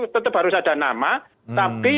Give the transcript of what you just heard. tetap harus ada nama tapi